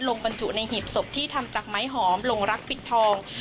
บรรจุในหีบศพที่ทำจากไม้หอมลงรักปิดทอง